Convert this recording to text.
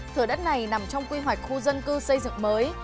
thửa đất này nằm trong quy hoạch khu dân cư xây dựng mới